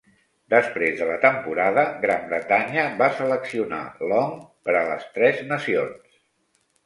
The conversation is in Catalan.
Després de la temporada, Gran Bretanya va seleccionar Long per a les Tres Nacions.